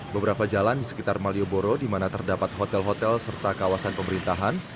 beberapa jalan di sekitar malioboro di mana terdapat hotel hotel serta kawasan pemerintahan